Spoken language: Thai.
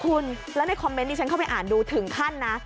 คุณแล้วในคอมเมนต์ที่ฉันเข้าไปอ่านดูถึงขั้นนะ